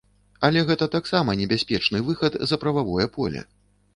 Але гэта таксама небяспечны выхад за прававое поле.